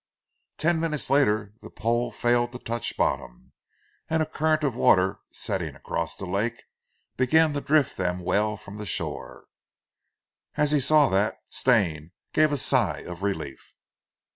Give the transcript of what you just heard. Ten minutes later the pole failed to touch bottom, and a current of water setting across the lake began to drift them well from the shore. As he saw that, Stane gave a sigh of relief.